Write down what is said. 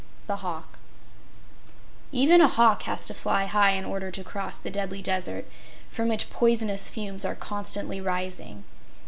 The Hawk Even a hawk has to fly high in order to cross the Deadly Desert, from which poisonous fumes are constantly rising.